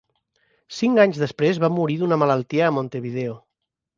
Cinc anys després va morir d'una malaltia a Montevideo.